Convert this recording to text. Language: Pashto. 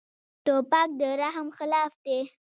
توپک د رحم خلاف دی.